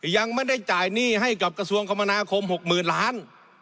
ยังไม่ได้จ่ายหนี้ให้กับกระทรวงคมนาคม๖๐๐๐ล้าน